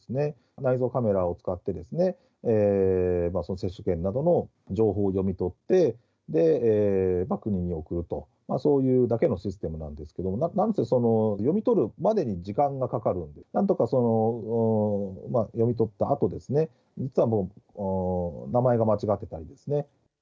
内蔵カメラを使って、接種券などの情報を読み取って、国に送ると、そういうだけのシステムなんですけれども、なんせ読み取るまでに時間がかかる、なんとか読み取ったあと、実はもう、名前が間違ってたりですね。